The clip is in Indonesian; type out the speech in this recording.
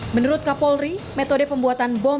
menurut kapolri metode pembuatan bom